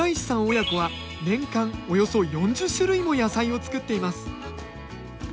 親子は年間およそ４０種類も野菜を作っています。